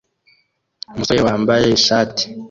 Umusore wambaye ishati